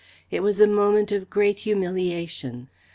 It was a moment of great humiliation.